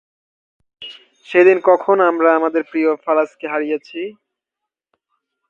সেদিন কখন আমরা আমাদের প্রিয় ফারাজকে হারিয়েছি?